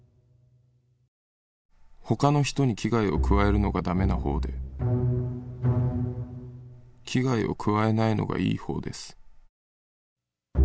「他の人に危害を加えるのがだめなほうで危害を加えないのがいいほうです」